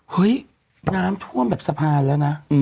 เฮ้ยน้ำท่วมแบบสะพานแล้วนะ